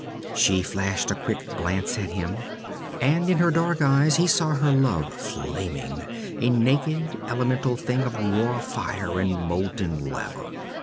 She flashed a quick glance at him, and in her dark eyes he saw her love flaming, a naked elemental thing of raw fire and molten lava.